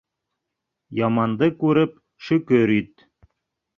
Яманды күреп шөкөр ит.